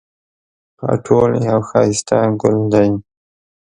خاټول یو ښایسته ګل دی